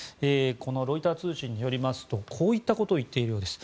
ロイター通信によりますとこういったことを言っているようです。